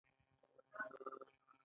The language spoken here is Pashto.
د بلخ په شولګره کې د تیلو نښې شته.